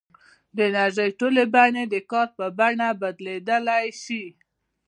د انرژۍ ټولې بڼې د کار په بڼه بدلېدای شي.